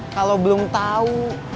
kalau belum tahu